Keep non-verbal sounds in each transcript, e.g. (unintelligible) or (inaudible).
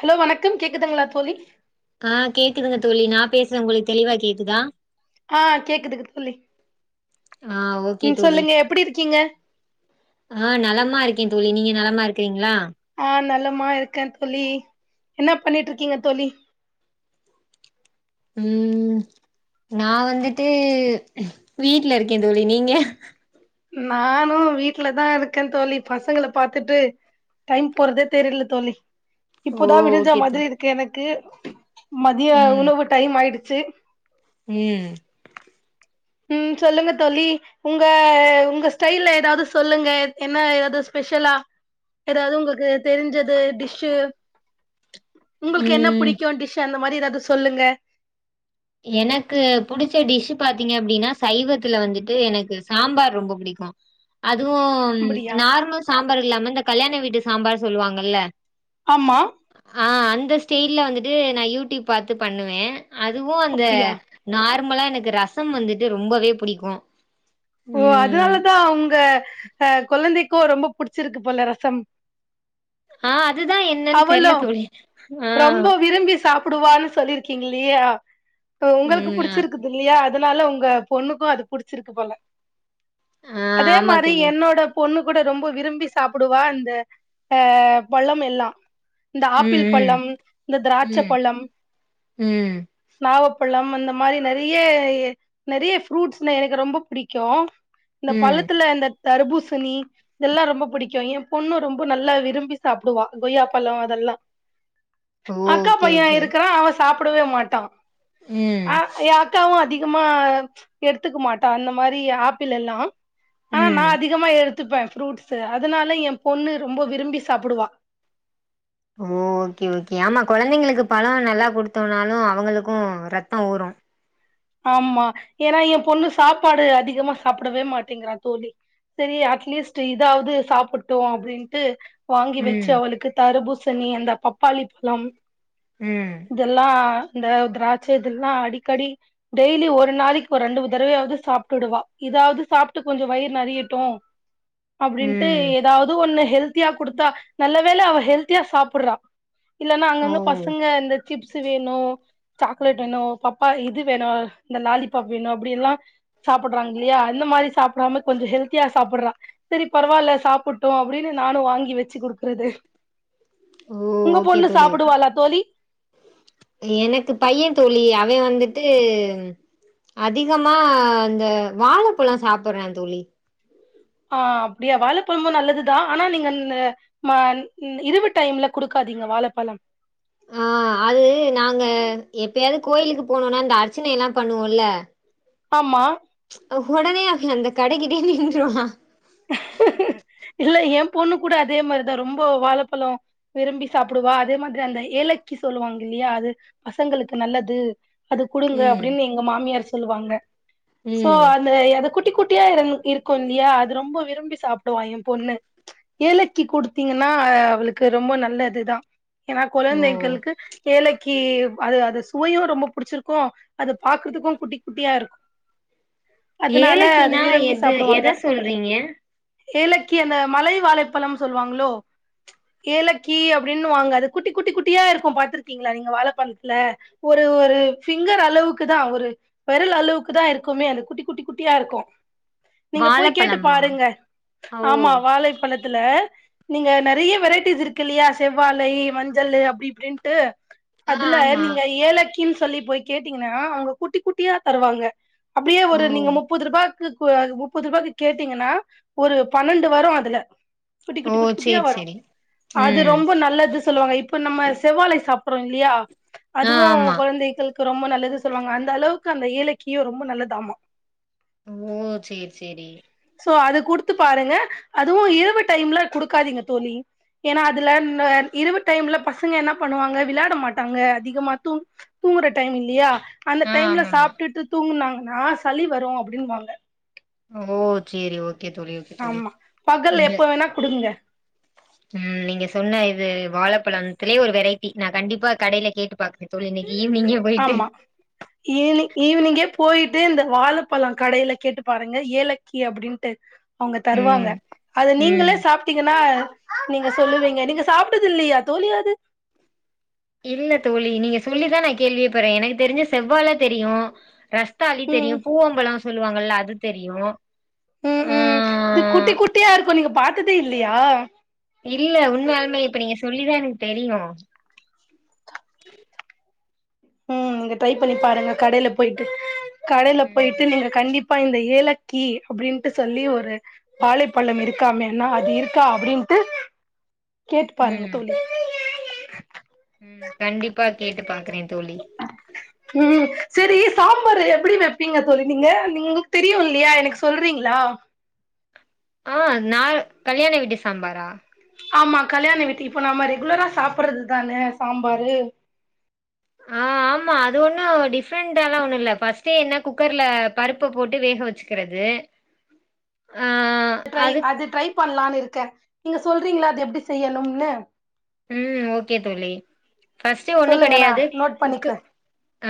Hello வணக்கம் கேக்குதுங்ளா தோழி ஆஹ் கேக்குதுங்க தோழி நான் பேசுறேன் உங்களுக்கு தெளிவா கேக்குதா ஆ கேக்குதுக்கு (unintelligible) ஆஹ் ஓகே ம் தோழி சொல்லுங்க எப்டி இருக்கீங்க ஆஹ் நலமா இருக்கேன் தோழி நீங்க நலமா இருக்கிறீங்களா ஆஹ் நல்ல நலமா இருக்கேன் தோழி என்ன பண்ணிட்டு இருக்கீங்க தோழி உம் நான் வந்துட்டு வீட்டுல இருக்கேன் தோழி நீங்க நானும் வீட்டுலதான் இருக்கேன் தோழி பசங்களபாத்துட்டு டைம் போறதே தெரியல தோழி ஓ இப்போதான் விடிஞ்சா ஓகே தோ மாதிரி இருக்கு எனக்கு மதிய ம் உணவு டைம் ஆயிடுச்சு சே ம் உம் சொல்லுங்க தோழி உங்க உங்க ஸ்டைல்ல ஏதாவது சொல்லுங்க என்ன ஏதாவது ஸ்பெஷலா ஏதாவது உங்களுக்கு தெரிஞ்சது டிஷ்ஷு உங்களுக்கு என்ன ம் புடிக்கும் டிஷ் அந்த மாதிரி ஏதாவது சொல்லுங்க எனக்கு புடிச்ச டிஷ் பாத்தீங்க அப்படின்னா சைவத்துல வந்துட்டு எனக்கு சாம்பார் ரொம்ப பிடிக்கும் அது அதுவும் அப்டியா நார்மல் சாம்பார் இல்லாம இந்த கல்யாண வீட்டு சாம்பார் சொல்லுவாங்கல்ல ஆமா ஆ அந்த ஸ்டைல்ல வந்துட்டு நான் யூடியூப் பாத்து பண்ணுவேன் அதுவும் அந்த அப்டியா நார்மலா எனக்கு ரசம் வந்துட்டு ரொம்பவே பிடிக்கும் ஓ அதனாலதான் உங்க அஹ் குழந்தைக்கும் ரொம்ப புடிச்சிருக்கு போல ரசம் ஆ அதுதான் என்னன்னு தெர்ல அவுளும் தோழி. ஆ ரொம்ப விரும்பி சாப்ப பிடுவான்னு சொல்லிருக்கீங்கில்லையா உங்களுக்கு ம் ஆ புடிச்சிருக்குது இல்லையா அதனால உங்க பொண்ணுக்கும் அது புடிச்சிருக்கு போல ஆ அதே ஆமா மாதிரி தோழி. என்னோட பொண்ணுக்கு கூட ரொம்ப விரும்பி சாப்பிடுவா அந்த அஹ் பழம் எல்லாம் இந்த ஆப்பிள் ம் பழம் இந்த திராட்ச ம் பழம் ம் ம் நாவப் பழம் அந்த மாரி நெறைய நெறைய ப்ரூட்ஸ்னா எனக்கு ரொம்ப பிடிக்கு இந்த ம் பள்ளத்துல இந்த தர்பூசணி இதெல்லா ரொம்ப புடிக்கு எ பொண்ணு ரொம்ப நல்லா விரும்பி சாப்பிடுவா கொய்யாப்பழோ அதெல்லா ஓ அக்கா ஓகே பைய ஓகே. இருக்கிறா அவன் சாப்பிடவே மாட்டா அ ம் எ அக்காவு அதிகமா எடுத்துக்க மாட்ட அந்த மாரி ஆப்பிள் எல்லா ஆனா நா ம் அதிகமா எடுத் துப்பே ஃப்ரூட்ஸ் அதனால எ பொண்ணு ரொம்ப விரும்பி சாப்புடுவா ஓ ஓகே ஓகே ஆமா கொழந்தைங்களுக்கு பழோ நல்லா குடுத்தம்னாலு அவங்களுக்கு ரத்தோ ஊரு ஆ ஆமா ஏனா எ பொண்ணு சாப்பாடு அதிகமா சாப்பிடவே மாட்டிங்கிறா தோழி செரி அட்லீஸ்ட் இதாவது சாப்புட்டு அப்டின்ட்டு வாங்கி வெச்சு ம் அவளுக்கு தர்பூசணி அந்த பப்பாளி பழம் ம் இதெல்லா இந்த திராட்ச இதெல்லா அடிக்கடி டெய்லி ஒரு நாளைக்கு ஒரு ரெண்டு மூண் தடவயாது சாப்ட்டுடுவா இதாவது சாப்ட்டு கொஞ்சோ வயிறு நெறையட்டு அப்டின்ட்டு ம் ஏதாவது ஒன்னு ஹெல்த்தியா குடுத்தா நல்ல வேல அவ ஹெல்த்தியா சாப்புட்றா இல்லனா ஓ அங்கங்க பசங்க இந்த சிப்ஸ் வேணு சாக்லேட் வேணு பப்பா இது வேணு இந்த லாலிபப் வேணு அப்டி எல்லா சாப்படுறாங்க இல்லையா அந்த மாரி சாப்பிடாம கொஞ்ச ஹெல்தியா சாப் பிட்ற செரி பரவால்ல சாப்புட்டு அப்டினு நானு வாங்கி வெச்சு குடுக்குறது ஓ உங்க ஓகே பொண்ணு தோழி ஓகே. சாப்பிடுவாலா தோழி எனக்கு பைய தோழி அவே வந்துட்டு அதிகமா இந்த வாழப்பழோ சாப்பிட்றந் தோழி ஆ அப்டியா வாழப்பழமு நல்லதுதா ஆனா நீங்க இந்த ம இ இருவு டைம்ல குடுக்கா அதீங்க வாழப்பழம் ஆ அது நாங்க எப்பயாது கோயிலுக்கு போனோனா அந்த அர்ச்சனை எல்லா பண்ணுவோல்ல ஆமா ஒடனே அ அந்த கடைகிட்டேயே நின்றுவா ஹ இல்ல எ பொண்ணு கூட அதே மாரிதா ரொம்ப வாழப்பழோ விரும்பி சாப்புடுவா அதே மாதிரி அந்த ஏலக்கி சொல்லுவாங்க இல்லையா அது பசங்களுக்கு நல்லது அது குடுங்க ம் அப்டின் எங்க மாமியார் சொல்லுவாங்க சோ ம் அந்த அத குட் டி குட்டியா இரு இருக்கு இல்லையா ரொம்ப விரும்பி சாப்பிடுவா எ பொண்ணு ஏலக்கி குடுத்தீங்கன்னா அவளுக்கு ரொம்ப நல்ல இதுதா ஏனா ஓ கொழந்தைகளுக்கு ஏழக்கி அது அது சுவையு ரொம்ப புடிச்சிருக்கு அது பாக்குறதுக்கு குட்டி குட்டியா இருக்கு அதனால அது ஏலக்கினா விரும்பி எது சாப்பிடுவாங்க எத சொல்றீங்க ஏலக்கி அந்த மலை வாழைப்பழம் சொல்லுவாங்களோ ஏலக்கி அப்டின்னு வாங்க அது குட்டி குட்டி குட்டியா இருக்கு பாத்துருக்கீங்களா நீங்க வாழப்பழத்துல ஒரு ஒரு ஃபிங்கர் அளவுக்கு தா ஒரு வெரல் அளவுக்கு தா இருக்குமே அந்த குட்டி குட்டி குட்டியா இருக்கு நீங்க போய் கேட்டு வாழப்பழமா பாருங்க ஓ ஆமா வாழைப்பழத்துல நீங்க நெறைய வெரைட்டீஸ் இருக்கு இல்லையா செவ்வாழை வஞ்சளு அப்டி இப்டின்ட்டு ஆ அதுல ஆமா நீங்க ஏலக்கின் சொல்லி போய் கேட்டீங்ன்னா அவங்க குட்டி குட்டியா தருவாங்க அப்படியே ஓ ஒரு நீங்க முப்பது ரூபாக்கு கு எ முப்பது ரூபாக்கு கேட்டீங்கன்னா ஒரு பன்ணென்டு வரு அதுல குட்டி ஓ குட்டி குட்டி குட்டியா சேரி வரு சேரி அது ம் ரொம்ப நல்லது சொல்லுவாங்க இப்ப நம்ம செவ்வாழை சாப்பிட்றோ இல்லையா ஆ அதுவு ஆமா கொழந்தைகளுக் ரொம்ப நல்லது சொல்லுவாங்க அந்த அளவுக்கு அந்த ஏலக்கியு ரொம்ப நல்லது ஆமா ஓ சேரி சேரி சோ அது குடுத்து பாருங்க அதுவு இரவு டைம்ல குடுக்காதீங்க தோழி ஏனா அதுல இரவு டைம்ல பசங்க என்ன பண்ணுவாங்க விளயாட மாட்டாங்க அதிகமா தூ தூங்கற டைம் இல்லையா அந்த ஆ டைம்ல ஆமாமா சாப்பிட்டுட்டு தூங்குனாங்கன்னா சளி வரும் அப்புடின்னு வாங்க ஓ சேரி ஓக் ஆமா பகல் எப்ப வேணா குடுங்க ம் நீங்க சொன்ன இது வாழை பழம்த்துலே ஒரு வெரைட்டி நா கண்டிப்பா கடைல கேட்டு பாக்குறேன் ஆமா ஈவினி ஈவினிங்கே போயிட்டு இந்த வாழப்பழம் கடையில கேட்டு பாருங்க ஏலக்கி அப்புடின்ட்டு அவங்க தருவாங்க ம் அத நீங்களே ம் சாப்ட்டீங்கன்னா நீங்க சொல்லுவீங்க நீங்க சாப்ட்டது இல்லையா தோழி அது இல்ல தோழி நீங்க சொல்லிதா நா கேள்வியே பட்றே எனக்கு தெரிஞ்சு செவ்வாழை தெரியு ரஸ் தாளி ம் தெரியும் பூவம்பழம் சொல்லுவாங்கல்ல அது தெரியு ம் ஆ ம் இது குட்டி குட்டியா இருக்கும் நீங்க பாத்ததே இல்லியா இல்ல உண்மயாலுமே இப்ப நீங்க சொல்லிதா எனக்கு தெரியு ம் நீங்க ட்ரை பண்ணி பாருங்க கடைல போயிட்டு கடைல போயிட்டு ம் நீங்க கண்டிப் ப்ப இந்த ஏலக்கி அப்புடின்ட்டு சொல்லி ஒரு வாழைப்பழம் இருக்காமேன்னா அது இருக்கா அப்புடின் ட்டு கேட்டு பாருங்க ம் தோழி ம் கண்டிப்பா கேட்டு பாக்குறே தோழி சரி சாம்பாரு எப்புடி வெப்பீங்க தோழி நீங்க நீங்க உங்களுக்கு தெரியு இல்லையா எனக்கு சொல்றீங்களா (inaudible) ஆ நா கல்யாண வீட்டு சாம்பாரா ஆமா கல்யாண வீட்டுகி இப்ப நாம ரெகுலரா சாப்புட்றதுதானே சாம்பாரு ஆ (inaudible) ஆமா அது ஒன்னு டிஃப்ரெண்ட்டா லா ஒண்ணு இல்ல ஃபர்ஸ்ட்டே என்ன குக்கர்ல பருப்ப போட்டு வேக வச்சுக்குறது (inaudible) ட்ரை அது ட்ரை பண்லான்னு இருக்கே நீங்க சொல்றீங்களா அது எப்டி செய்யணும்னு ம் ஓகே தோழி ஃபர்ஸ்ட்டு ஒண்ணூ சொல்லுங்க நா கடையாது நோட் குக்கு பண்ணிக்கிறே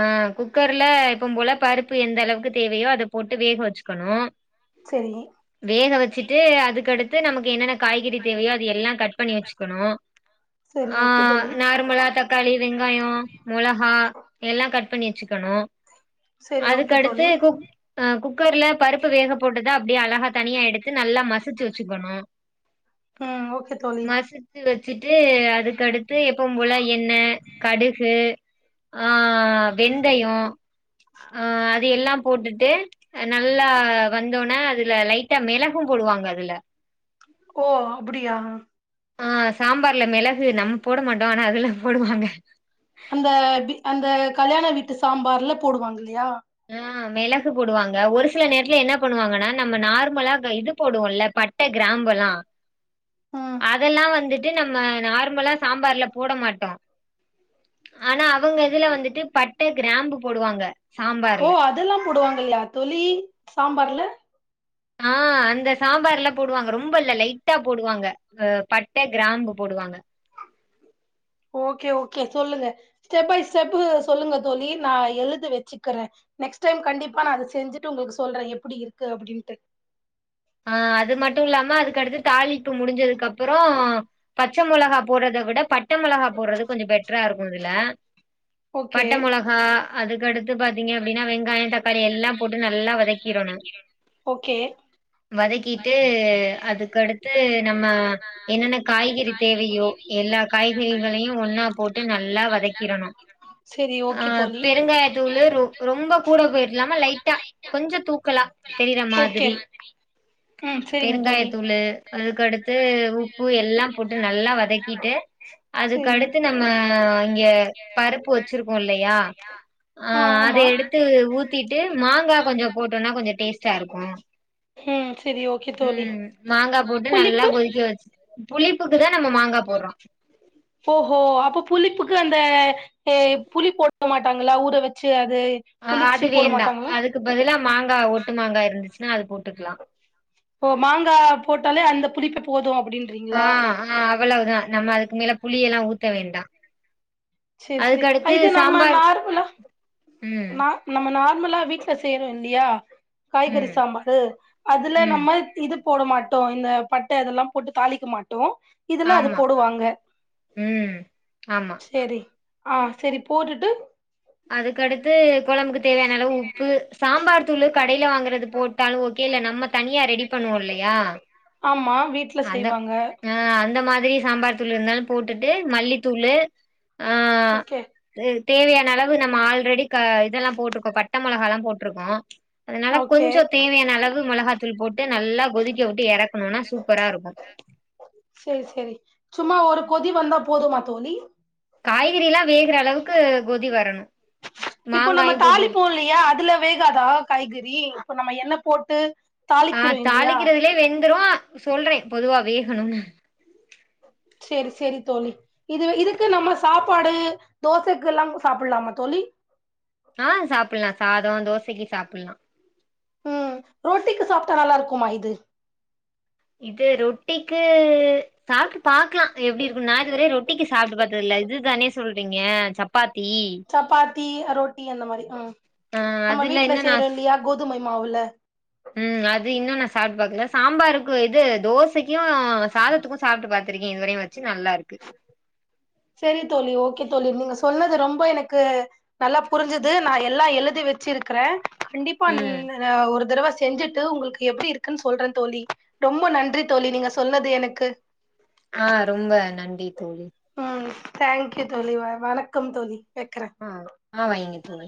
ஆ குக்கர்ல எப்பு போல பருப்பு எந்த அளவுக்கு தேவையோ அத போட்டு வேக வச்சுக்கணு செரி வேக வச்சுட்டு அதுக்கடுத்து நமக்கு என்னென்ன காய்கறி தேவையோ அது எல்லா கட் பண்ணி வச்சுக்குணோ செரி ஆ ஓகே தோழி நார்மலா தக்காளி வெங்காயோ மொளகா எல்லா கட் பண்ணி வெச்சுக்கணு சர் அதுக்கடுத்து குக் அ குக்கர்ல பருப்பு வேக போட்டுதா அப்டே அழகா தனியா எடுத்து நல்லா மசிச்சு வெச்சுக்கணூ ம் ஓகே தோழி மசிச்சு வெச்சுட்டு அ அதுக்கடுத்து எப்பும் போல எண்ணெ கடுகு ஆ வெந்தயோ (inaudible) அ அது எல்லா போட்டுட்டு அ நல்லா வந்தோனே அதுல லைட்டா மிளகும் போடுவாங்க அதுல ஓ அப்புடியா ஆ சாம்பார்ல மிளகு நம் போட மாட்டோ ஆனா அதுல போடுவாங்க அந்த து அந்த கல்யாண வீட்டு சாம்பார்ல போடுவாங்க இல்லையா ஆ மிளகு போடுவாங்க ஒரு சில நேரத்துல என்ன பண்ணுவாங்கன்னா நம்ம நார்மலா க இது போவோல்ல பட்ட கி ராம்பல்லா ம் அதெல்லா வந்துட்டு நம்ம நார்மலா சாம்பார்ல போட மாட்டோ ஆனா அவங்க இதுல வந்துட்டு பட்ட கிராம்பு போடுவாங்க ஓ சாம்பார்ல அதெல்லா போடுவாங்க இல்லையா தோழி சாம்பார்ல ஆ அந்த சாம்பார்ல போடுவாங்க ரொம்ப இல்ல லைட்டா போடுவாங்க அ பட்ட கிராம்பு போட் டுவாங்க ஓகே ஓகே சொல்லுங்க ஸ்டெப் பை ஸ்டெப்புக்கு சொல்லுங்க தோழி நா எழுதி வெச்சுக்கறே நெக்ஸ்ட் டைம் கண்டிப்பா நா அத செஞ்சுட்டு உங்களுக்கு சொல்றே எப்புடி இருக்கு அப்புடின்ட்டு ஆ அது மட்டும் இல்லாம அதுக்குடுத்து தாளிப்பு முடிஞ்சதுக்கு அப்புறம் பச்சை மிளகா போறது இத கூட பட்டை மிளகா போடுறது கொஞ்சம் பெட்டரா இருக்கும்துல ஓகே பட்டை மொளகா அதுக்கடுத்து எத்து பாத்தீங்க அப்படின்னா வெங்காயம் தக்காளி எல்லாம் போட்டு நல்லா வதக்கிடணும் ஓகே வதக்கிட்டு அதுக்கடுத்து நம்ம என்னென்ன காய்கறி தேவையோ எல்ல எல்ல காய்கறிகளையும் ஒன்னா போட்டு நல்லா வதக்கிடணும் செரி ஆ ஓகே தோழி பெருங்காயத்தூள் ர ரொம்ப கூட போயிடலாம லைட்டா கொஞ்சம் தூக்கலா தெரியற ஓகே மாதிரி ம் செரிங்க தோழி பெருங்காயத்தூலு அதுக்கடுத்து உப்பு எல்லாம் போட்டு நல்லா வதக்கிட்டு செரிங்க அதுக்குடுத்து நம்ம இங்க பருப்பு வச்சிருக்கோம் இல்லையா ஆ அதை எடுத்து ஊத்திட்டு மாங்கா கொஞ்சம் போட்டோம்னா கொஞ்சம் டேஸ்டா இருக்கு ம் செரி ஓகே தோழி ம் மாங்காய் போட்டு நல்லா புளிப்பு கொதிக்க வச்சு புளி ப்புக்கு தான் நம்ம மாங்கா போட்றோ ஓஹோ அப்ப புளிப்புக்கு அந்த புளி போட்ட மாட்டாங்களா ஊற வச்சு அது அ புளிச்சு அது போட வேண்டா மாட்டாங்களா அதுக்கு பதிலா மாங்காய ஓட்டு மாங்கா இருந்துச்சுன்னா அது போட்டு ஓ மாங்கா போட்டாலே அந்த புளிப்ப போதும் ஆ ஆ அவ்வளவுதான் நம்ம அதுக்கு மேல புளிய எல்லாம் ஊத்த வேண்டா சரி சரி அதுக்கடுத்து இது நம்ம சாம்பார் நார்மலா ம் நம்ம நார் நார்மலா வீட்ல செய்ரோ இல்லையா காய்கறி ம் சாம்பார்ரூ அதுல ம் நம்ம இது போட மாட்டோம் இந்த பட்டை இதெல்லாம் போட்டு தாளிக்க மாட்டோ இதுல்ல அது ஆமா போடுவாங்க ம் ஆமா சரி ஆ சரி போட்டுட்டு அதுக்கடுத்து குழம்புக்கு தேவையான அளவு உப்பு சாம்பார் தூள் க கடையில வாங்குறது போட்டாலும் ஓகே இல்ல நம்ம தனியா ரெடி பண்ணுவோம் இல்லையா ஆமா வீட்ல அந்த செய்வாங்க ஆ அந்த மாதிரி சாம்பார் தூள் இருந்தாலும் போட்டுட்டு மல்லித்தூள் ஓகே தேவையான அளவு நம்ம ஆல்ரெடி க இதெல்லாம் போட்ருக்கோ பட்டை மிளகா எல்லாம் போட்ருக்கோ அதனால ஓகே கொஞ்சம் தேவையான அளவு மளகாத்தூள் போட்டு நல்லா கொதிக்க விட்டு இறக்கணும்னா சூப் சரி சரி சும்மா ஒரு கொதி வந்தா போதுமா தோழி காய்கறி எல்லாம் வேகற அளவுக்கு கொதி வரணும் இப்போ நம்ம தாலிபோம் இல்லையா அதுல வேகாதா காய்கறி இப்ப நம்ம என்ன போட்டு ஆ தாளிக்கிறோ இல்லையா தாளிக்கிறதுலயே வெந்துரும் சொல்றேன் பொதுவா வேகணும் சரி சரி தோழி இது இதுக்கு நம்ம சாப்பாடு தோசைக்கு எல்லா சாப்டலாமா தோழி சாப்புட்லா ஆ சாதோ தோசைக்கு சாப்டலா ம் ரோட்டிக்கு சாப்ட்டா நல்லா இருக்குமா இது இது ரொட்டிக்கு சாப்ட்டு பாக்கலா எப்டி இருக்கும் நான் இதுவரை ரொட்டிக்கு சாப்ட்டு பார்த்ததுல இது தானே சொல்றீங்க சப்பாத் சப்பாத்தி ரோட்டி அந்த மாரி ம் ஆ நம்ம அதுல வீட்ல இன்னு நா செய்யறோ இல்லையா கோ துமை மாவுல ம் அது இன்னும் நான் சாப்ட்டு பாக்கல சாம்பாருக்கும் இது தோசைக்கு சாதத்துக்கும் சாப்ட்டு பாத்திருக்கே இதுவரையும் வச்சு நல்லா இருக்கு சரி தோழி ஓகே தோழி நீங்க சொன்னது ரொம்ப எனக்கு நல்லா புரிஞ்சது நான் எல்லா எழுதிவே வச்ச இருக்கிறேன் கண்டிப்பா ம் ஒரு தடவ செஞ்சுட்டு உங்களுக்கு எப்படி இருக்குன்னு சொல்றேன் தோழி ரொம்ப நன்றி தோழி நீங்க சொன்னது எனக்கு ஆ ரொம்ப நன்றி தோழி ம் தேங்க்யூ தோழி வா வணக்கம் தோழி வெக்கறே ஆ ஆ வைங்க தோழி